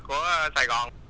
ở sài gòn